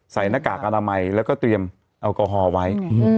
หน้ากากอนามัยแล้วก็เตรียมแอลกอฮอล์ไว้